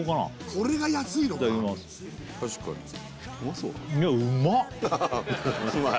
これが安いのか確かに・うまそう・うまい？